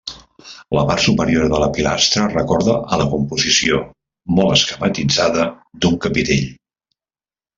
La part superior de la pilastra recorda a la composició, molt esquematitzada, d'un capitell.